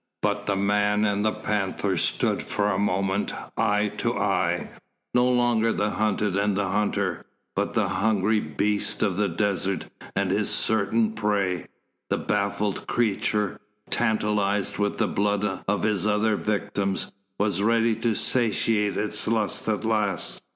But the man and the panther stood for a moment eye to eye. No longer the hunted and the hunter, but the hungry beast of the desert and his certain prey. The baffled creature, tantalised with the blood of his other victims, was ready to satiate its lust at last.